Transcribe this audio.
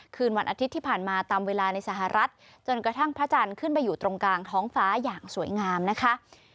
คืนวันอาทิตย์ที่ผ่านมาตามเวลาในสหรัฐจนกระทั่งพระจันทร์ขึ้นไปอยู่ตรงกลางท้องฟ้าอย่างสวยงามนะคะ